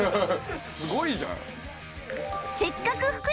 すごいじゃん！